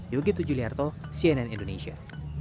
yogyakarta cnn indonesia